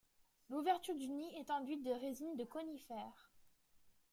L'ouverture du nid est enduite de résine de conifères.